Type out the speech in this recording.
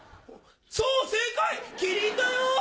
そう正解キリンだよ！